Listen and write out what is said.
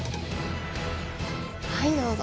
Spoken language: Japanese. はいどうぞ。